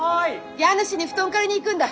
家主に布団借りに行くんだ。